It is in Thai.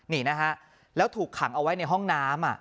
นี่นะฮะแล้วถูกขังเอาไว้ในห้องน้ำ